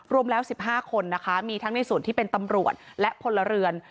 รวมแล้ว๑๕คนนะคะมีทั้งในส่วนที่เป็นตำรวจและพลเรือน